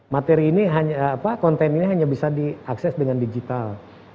materi ini konten ini hanya bisa diakses dengan digital